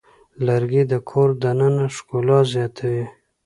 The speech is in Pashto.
لرګی د کور دننه ښکلا زیاتوي.